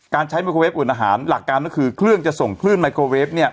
ใช้ไมโครเวฟอุ่นอาหารหลักการก็คือเครื่องจะส่งคลื่นไมโครเวฟ